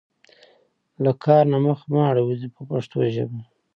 له کار نه مخ مه اړوئ په پښتو ژبه.